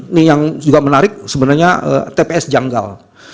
ini yang juga menarik sebenarnya tps janggal